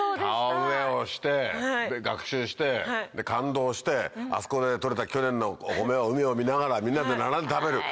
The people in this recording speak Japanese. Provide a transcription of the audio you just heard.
田植えをして学習して感動してあそこで取れた去年のお米を海を見ながらみんなで並んで食べる。